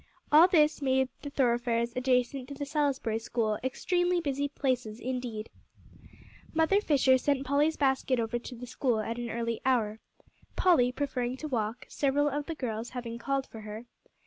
All this made the thoroughfares adjacent to the "Salisbury School" extremely busy places indeed. Mother Fisher sent Polly's basket over to the school, at an early hour, Polly preferring to walk, several of the girls having called for her.